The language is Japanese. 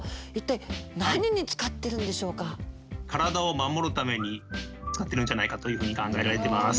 体を守るために使ってるんじゃないかというふうに考えられてます。